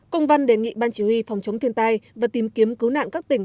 công văn đề nghị ban chỉ huy phòng chống thiên tai và tìm kiếm cứu nạn các tỉnh